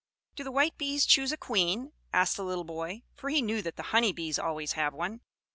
"Do the white bees choose a queen?" asked the little boy; for he knew that the honey bees always have one.